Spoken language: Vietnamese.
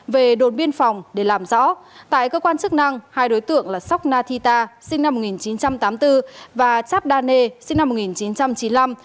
về đột biên phòng để làm rõ tại cơ quan chức năng hai đối tượng là sok nathita sinh năm một nghìn chín trăm tám mươi bốn và chabdane sinh năm một nghìn chín trăm chín mươi năm